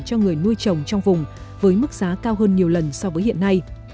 cho người nuôi trồng trong vùng với mức giá cao hơn nhiều lần so với hiện nay